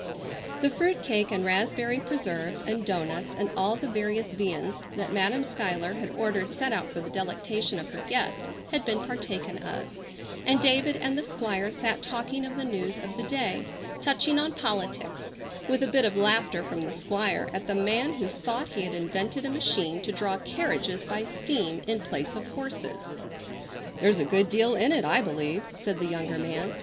The fruit cake and raspberry preserves and doughnuts and all the various viands that Madam Schuyler had ordered set out for the delectation of her guest had been partaken of, and David and the Squire sat talking of the news of the day, touching on politics, with a bit of laughter from the Squire at the man who thought he had invented a machine to draw carriages by steam in place of horses. "There's a good deal in it, I believe," said the younger man.